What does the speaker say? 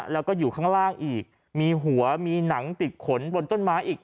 แล้วก็อยู่ข้างล่างอีกมีหัวมีหนังติดขนบนต้นไม้อีก